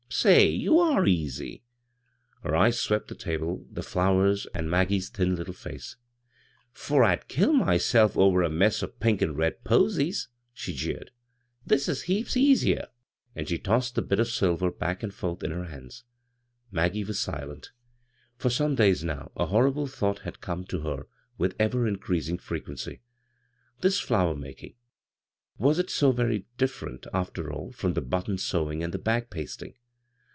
Say, you are easy !" Her eyes swept the table, the flow ers, and Maggie's thin little face. " 'Fore I'd bvGoog[c CROSS CURRENTS kill myself over a mess o' jnnk an' red posies I " she jeered. " This is heaps eaaer " And she tossed the bit of diver back and forth in her hands. Maggie was silent For some days now a . horrible thought had come to her with ever increasing frequency : this flower making — was it so very different, after all, from the but ton sewing and the bag pasting